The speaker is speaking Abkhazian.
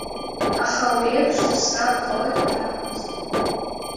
Аха уи еиԥш ҵысрак ҟалоит ҳәа ҳаҟамызт.